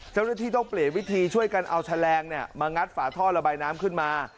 เจ้าหน้าที่ต้องเปลี่ยนวิธีช่วยกันเอาแฉลงมางัดฝาท่อระบายน้ำขึ้นมา